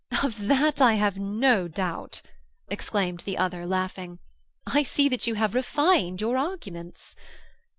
"Of that I have no doubt," exclaimed the other, laughing. "I see that you have refined your arguments."